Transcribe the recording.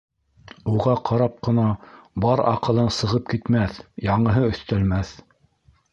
Уға ҡарап ҡына бар аҡылың сығып китмәҫ, яңыһы өҫтәлмәҫ...